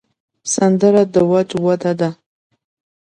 سندره د وجد وده ده